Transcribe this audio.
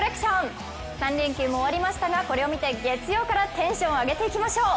３連休も終わりましたがこれを見て月曜からテンションを上げていきましょう。